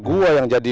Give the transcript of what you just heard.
goa yang jadi